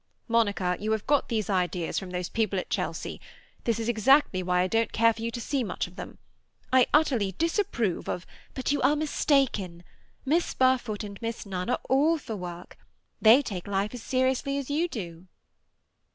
"Monica, you have got these ideas from those people at Chelsea. That is exactly why I don't care for you to see much of them. I utterly disapprove of—" "But you are mistaken. Miss Barfoot and Miss Nunn are all for work. They take life as seriously as you do."